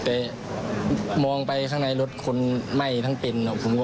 แต่มองไปข้างในรถคนไหม้ทั้งเป็น